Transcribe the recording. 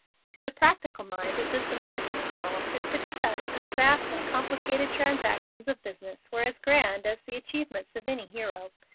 To the practical mind of this American girl his successes in the vast and complicated transactions of business were as grand as the achievements of any hero.